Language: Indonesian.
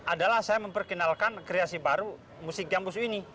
adalah saya memperkenalkan kreasi baru musik gambusu ini